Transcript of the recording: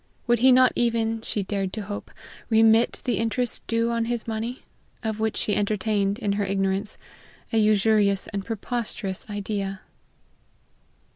Would he not even, she dared to hope, remit the interest due on his money? of which she entertained, in her ignorance, a usurious and preposterous idea.